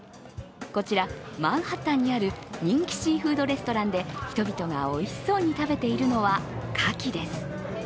こちら、マンハッタンにある人気シーフードレストランで人々がおいしそうに食べているのはカキです。